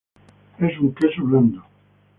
Es un queso blando.